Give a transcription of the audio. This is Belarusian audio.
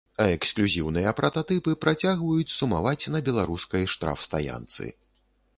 А эксклюзіўныя прататыпы працягваюць сумаваць на беларускай штрафстаянцы.